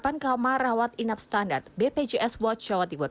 penerapan kamar rawat inap standar bpjs world shalawati world